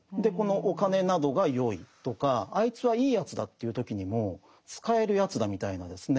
お金などがよいとかあいつはいいやつだとか言う時にも使えるやつだみたいなですね